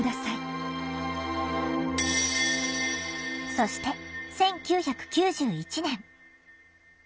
そして１９９１年。